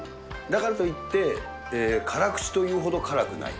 だからといって、辛口というほど辛くない。